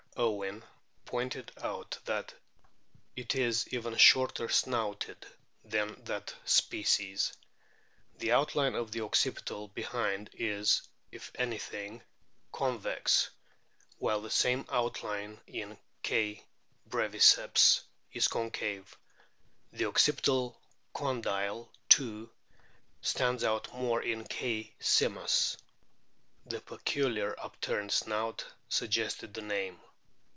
Owen pointed out that it is even shorter snouted than that species ; the outline of the occipital behind is, if anything, convex, while the same outline in K. breviceps is concave ; the occipital condyle too stands out more in K. simus. The peculiar upturned snout suggested the name.